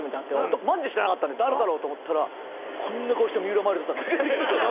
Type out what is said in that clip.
マジで知らなかったんで誰だろうと思ったらこんな顔した三浦マイルドさん。